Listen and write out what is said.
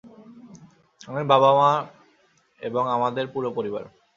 আমি, বাবা, মা এবং আমাদের পুরো পরিবার!